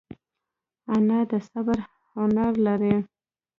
انا د صبر هنر لري